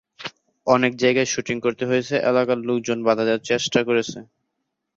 অনেক জায়গায় শুটিং করতে হয়েছে, এলাকার লোকজন বাধা দেওয়ার চেষ্টা করেছে।'